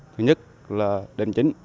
thứ nhất là đền chính